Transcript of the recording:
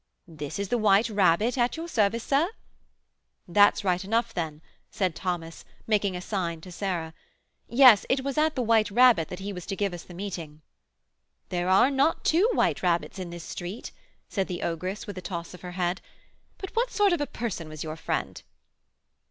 "This is the 'White Rabbit,' at your service, sir." "That's right enough, then," said Thomas, making a sign to Sarah; "yes, it was at the 'White Rabbit' that he was to give us the meeting." "There are not two 'White Rabbits' in this street," said the ogress, with a toss of her head. "But what sort of a person was your friend?"